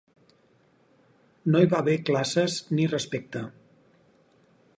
No hi va haver classes ni respecte